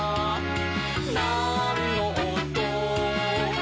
「なんのおと？」